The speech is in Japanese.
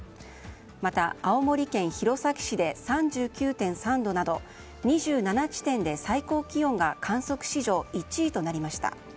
また、青森県弘前市で３９．３度など２７地点で最高気温が観測史上１位となりました。